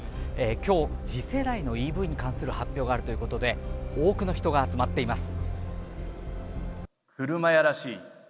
今日、次世代のＥＶに関する発表があるということで多くの人が集まっています。